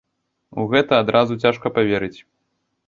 У гэта адразу цяжка паверыць.